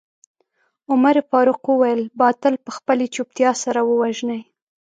عمر فاروق وويل باطل په خپلې چوپتيا سره ووژنئ.